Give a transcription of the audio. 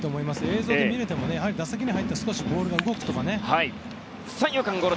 映像では見れても打席に入るとボールが動くとかね。